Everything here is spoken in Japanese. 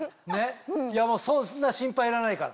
いやもうそんな心配いらないから。